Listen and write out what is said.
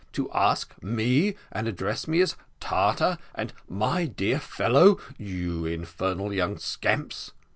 To ask me, and address me as Tartar, and my dear fellow! you infernal young scamps!"